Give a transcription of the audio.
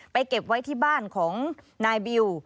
เก็บไว้ที่บ้านของนายบิว